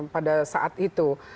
pada saat itu